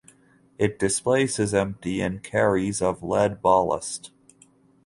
It displaces empty and carries of lead ballast.